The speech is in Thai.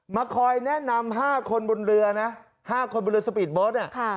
มาคอยแนะนำ๕คนบนเรือนะ๕คนบนเรือสปีดโบ๊ท